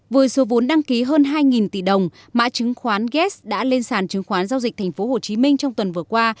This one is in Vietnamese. với số vốn đăng ký hơn hai tỷ đồng mã chứng khoán gaz đã lên sàn chứng khoán giao dịch tp hcm trong tuần vừa qua